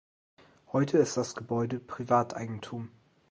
Heute ist das Gebäude Privateigentum.